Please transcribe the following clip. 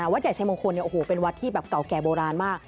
วัดใหญ่ชัยมงคลเป็นวัดที่แบบเก่าแก่โบราณมาก